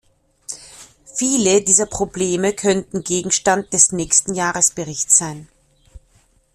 Viele dieser Probleme könnten Gegenstand des nächsten Jahresberichts sein.